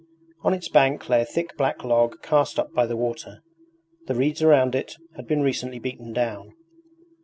On its bank lay a thick black log cast up by the water. The reeds around it had been recently beaten down.